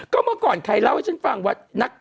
ก็เมื่อก่อนใครเล่าให้ฉันฟังว่า